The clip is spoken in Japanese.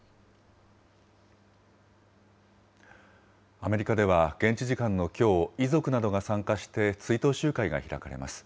アメリカでは、現地時間のきょう、遺族などが参加して追悼集会が開かれます。